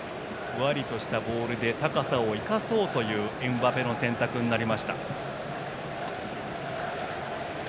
ふわりとしたボールで高さを生かそうというエムバペの選択になりました。